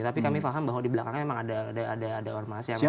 tapi kami paham bahwa di belakangnya memang ada ormas yang